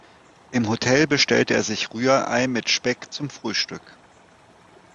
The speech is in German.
Im Hotel bestellte er sich Rührei mit Speck zum Frühstück.